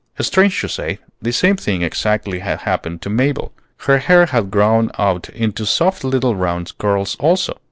Strange to say, the same thing exactly had happened to Mabel; her hair had grown out into soft little round curls also!